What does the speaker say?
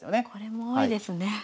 これも多いですね。